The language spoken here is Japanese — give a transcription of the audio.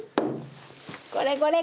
これこれ。